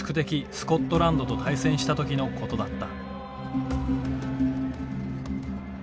スコットランドと対戦した時のことだった。